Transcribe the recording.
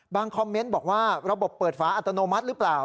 คอมเมนต์บอกว่าระบบเปิดฝาอัตโนมัติหรือเปล่า